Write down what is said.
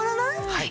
はい。